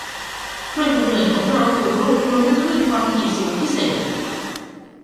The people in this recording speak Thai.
เครื่องกำเนิดของเราถูกรบกวนด้วยคลื่นความถี่สูงพิเศษ